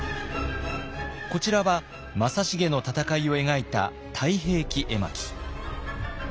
こちらは正成の戦いを描いた「太平記絵巻」。